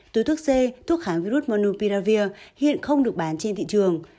tối thuốc c thuốc kháng virus monopiravir hiện không được bán trên thị trường